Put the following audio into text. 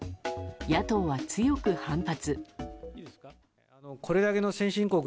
野党は強く反発。